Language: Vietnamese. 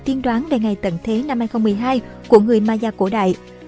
tiên đoán về ngày tận thế năm hai nghìn một mươi hai của người maya cổ đại